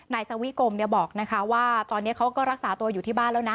นายสวิกรมบอกว่าตอนนี้เขาก็รักษาตัวอยู่ที่บ้านแล้วนะ